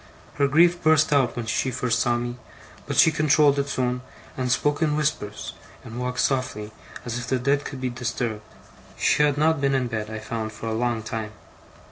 Her grief burst out when she first saw me; but she controlled it soon, and spoke in whispers, and walked softly, as if the dead could be disturbed. She had not been in bed, I found, for a long time.